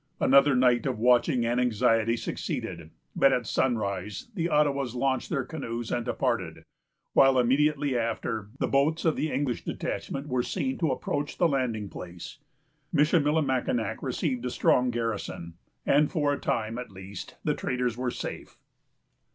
Another night of watching and anxiety succeeded; but at sunrise, the Ottawas launched their canoes and departed, while, immediately after, the boats of the English detachment were seen to approach the landing place. Michillimackinac received a strong garrison; and for a time, at least, the traders were safe.